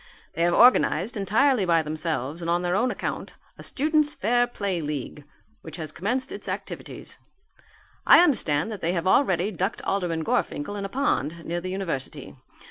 They have organized, entirely by themselves and on their own account, a Students' Fair Play League which has commenced its activities. I understand that they have already ducked Alderman Gorfinkel in a pond near the university.